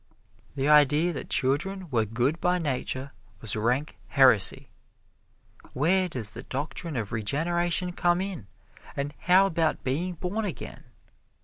The idea that children were good by nature was rank heresy. Where does the doctrine of regeneration come in, and how about being born again!